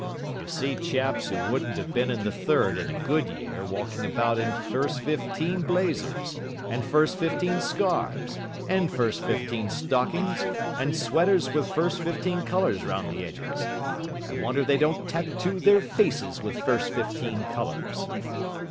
You see chaps who wouldn't have been in the third in a good year walking about in first fifteen blazers, and first fifteen scarves, and first fifteen stockings, and sweaters with first fifteen colours round the edges. I wonder they don't tattoo their faces with first fifteen colours."